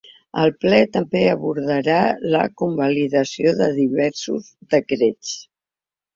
El ple també abordarà la convalidació de diversos decrets.